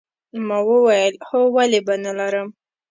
ما وویل هو ولې به نه لرم